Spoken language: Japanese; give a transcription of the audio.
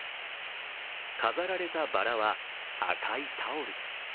飾られたばらは赤いタオル。